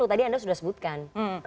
tadi anda sudah sebutkan